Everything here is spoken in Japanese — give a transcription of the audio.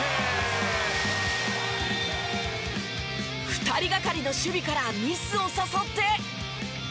２人がかりの守備からミスを誘って。